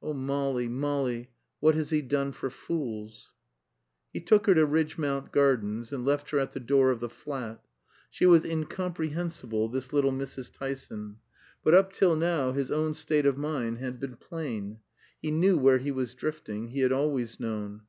Oh, Molly, Molly, what has he done for fools? He took her to Ridgmount Gardens, and left her at the door of the flat. She was incomprehensible, this little Mrs. Tyson. But up till now his own state of mind had been plain. He knew where he was drifting; he had always known.